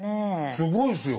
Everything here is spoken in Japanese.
すごいですよ。